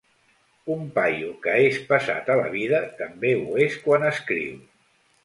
Un paio que és pesat a la vida també ho és quan escriu.